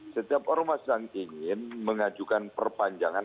setiap ormas yang ingin mengajukan perpanjangan